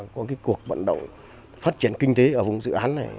qua cái cuộc vận động phát triển kinh tế ở vùng dự án này